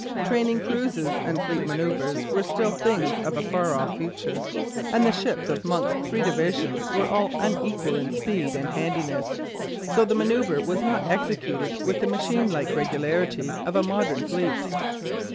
Training cruises and fleet manoeuvres were still things of a far off future, and the ships of Monk's three divisions were all unequal in speed and handiness, so the manoeuvre was not executed with the machine like regularity of a modern fleet.